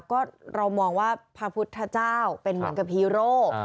ก็เรามองว่าพระพุทธเจ้าเป็นเหมือนกับฮีโร่